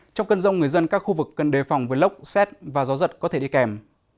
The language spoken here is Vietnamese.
trong cơn rông người dân các khu vực cần đề phòng với lốc xét và gió giật có thể đi kèm